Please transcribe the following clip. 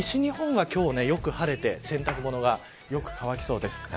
西日本は今日よく晴れて洗濯物がよく乾きそうです。